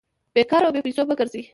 بې کاره او بې پېسو مه ګرځئ!